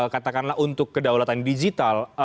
katakanlah untuk kedaulatan digital